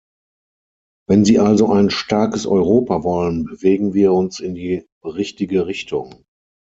Wenn Sie also ein starkes Europa wollen, bewegen wir uns in die richtige Richtung.